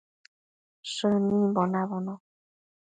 Shënimbo nabono